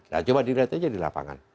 nah coba dilihat aja di lapangan